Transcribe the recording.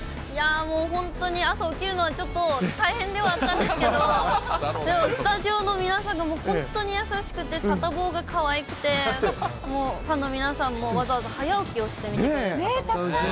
もう本当に朝起きるのは、ちょっと大変ではあったんですけど、でも、スタジオの皆さんが本当に優しくて、サタボーがかわいくて、もうファンの皆さんもわざわざ早起きをして見てくれたので。